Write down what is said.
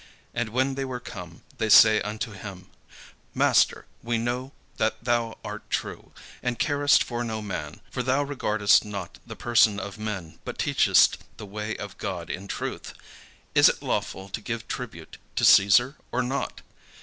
And when they were come, they say unto him: "Master, we know that thou art true, and carest for no man: for thou regardest not the person of men, but teachest the way of God in truth: is it lawful to give tribute to Caesar, or not?